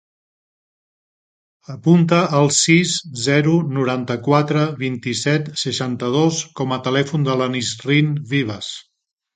Apunta el sis, zero, noranta-quatre, vint-i-set, seixanta-dos com a telèfon de la Nisrin Vivas.